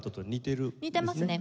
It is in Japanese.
似てますね。